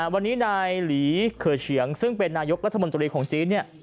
วันนี้นายหลีเขื่อเฉียงซึ่งเป็นนายกรัฐมนตรีของจีนเนี่ย